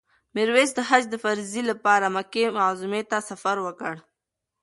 میرویس د حج د فریضې لپاره مکې معظمې ته سفر وکړ.